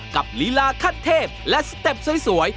กับฤลาคัดเทพและสเต็ปสวย